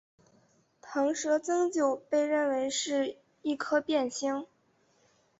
螣蛇增九被认为是一颗变星。